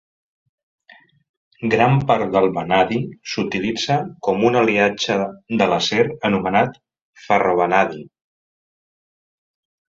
Gran part del vanadi s'utilitza com un aliatge de l'acer anomena ferrovanadi.